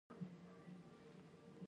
موږ له هغه څخه یو فرصت اخلو.